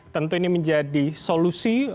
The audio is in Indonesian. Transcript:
tentu ini menjadi solusi